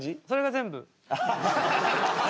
それが全部？